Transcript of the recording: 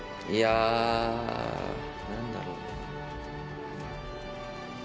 いや、なんだろう？